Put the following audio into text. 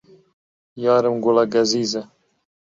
یارم گوڵە گەزیزە